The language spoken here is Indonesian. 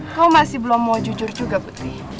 kau masih belum mau jujur juga putri